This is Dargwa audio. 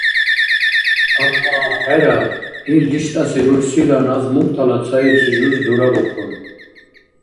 Амма, хӏера, ил риштӏаси рурсила назмуртала цаибси жуз дурабухъун.